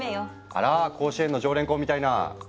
あら甲子園の常連校みたいな。